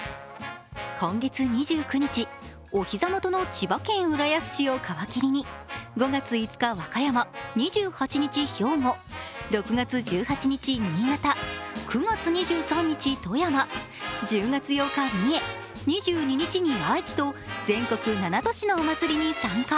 今月２９日、お膝元の千葉県浦安市をかわきりに、５月５日、和歌山、２８日、兵庫、６月１８日、新潟、９月２３日、富山、１０月８日、三重、２２日に愛知と全国７都市のお祭りに参加。